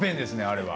あれは。